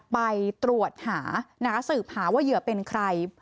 ไปตรวจหาสืบหาว่าเหยื่อเป็นใคร